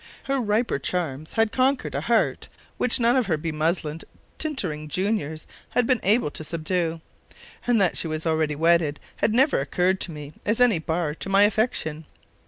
Her riper charms had conquered a heart which none of her be muslined, tittering juniors had been able to subdue; and that she was already wedded had never occurred to me as any bar to my affection.